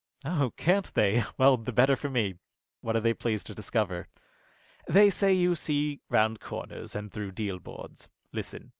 "Oh, can't they! Well, the better for me. What are they pleased to discover?" "They say you see round corners and through deal boards. Listen."